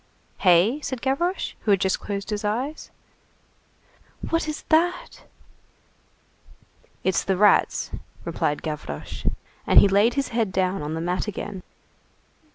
"Hey?" said Gavroche, who had just closed his eyes. "What is that?" "It's the rats," replied Gavroche. And he laid his head down on the mat again.